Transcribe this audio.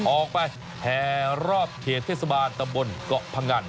ออกไปแหอรอบเขทศบาลตะบลเกาะพังั่น